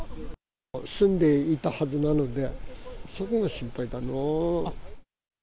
住んでいたはずなので、そこが心配だな。